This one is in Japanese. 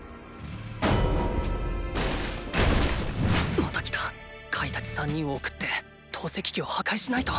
また来たカイたち３人を送って投石機を破壊しないと！！